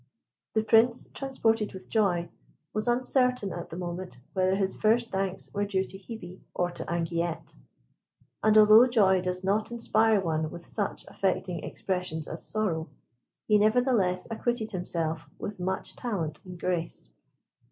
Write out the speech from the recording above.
The Prince, transported with joy, was uncertain at the moment whether his first thanks were due to Hebe or to Anguillette; and although joy does not inspire one with such affecting expressions as sorrow, he nevertheless acquitted himself with much talent and grace.